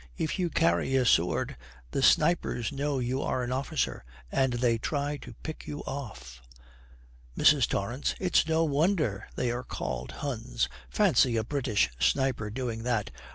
If you carry a sword the snipers know you are an officer, and they try to pick you off.' MRS. TORRANCE. 'It's no wonder they are called Huns. Fancy a British sniper doing that!